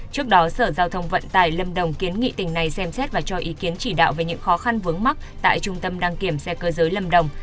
trước đó sở giao thông vận tải lâm đồng kiến nghị tỉnh này xem xét và cho ý kiến chỉ đạo về những khó khăn vướng mắt tại trung tâm đăng kiểm xe cơ giới lâm đồng